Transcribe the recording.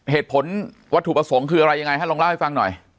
เหตุผลวัตถุประสงค์คืออะไรยังไงฮะลองเล่าให้ฟังหน่อย